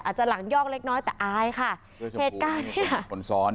อาจลังย่องเล็กน้อยแต่อายครับเหตุการณ์นี้